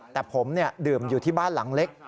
แต่ผมดื่มอยู่ที่บ้านหลังเล็ก